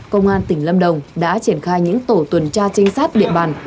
công an tỉnh lâm đồng đã triển khai những tổ tuần tra trinh sát địa bàn